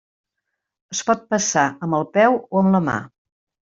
Es pot passar amb el peu o amb la mà.